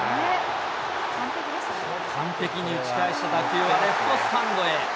完璧に打ち返した打球はレフトスタンドへ。